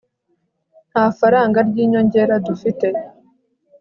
nta faranga ry'inyongera dufite